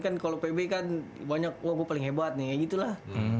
kan kalau pb kan banyak wah gue paling hebat nih ya gitu lah